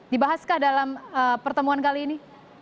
dibahaskah dalam pertemuan kali ini